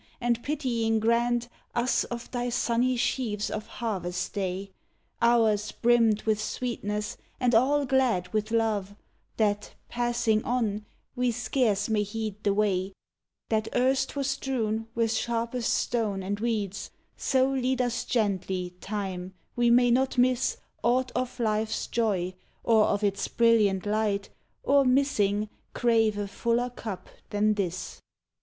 and pitying grant Us of thy sunny sheaves of Harvest Day; Hours brimmed with sweetness and all glad with love, That, passing on, we scarce may heed the way "That erst was strewn with sharpest stones and weeds; So lead us gently, Time, we may not miss Aught of Life's joy or of its brilliant light, Or, missing, crave a fuller cup than this!"